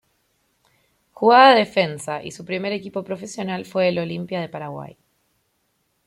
Jugaba de defensa y su primer equipo profesional fue el Olimpia de Paraguay.